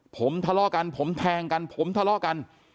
ผมทะเลาะกันผมแทงกันผมทะเลาะกัน